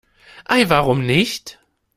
Ei, warum nicht?